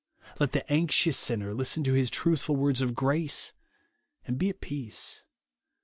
Let the anxious sinner listen to his truthful words of gi'ace, and be at peace.